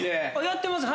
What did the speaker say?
やってます。